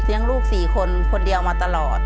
เลี้ยงลูก๔คนคนเดียวมาตลอด